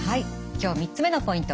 今日３つ目のポイント